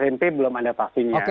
juga anak mp belum ada vaksinnya